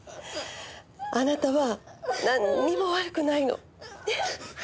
あなたはなんにも悪くないの。ね？